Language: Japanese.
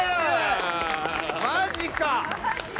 マジか！